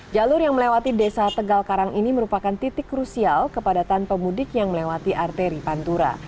jalur yang melewati desa tegal karang ini merupakan titik krusial kepadatan pemudik yang melewati arteri pantura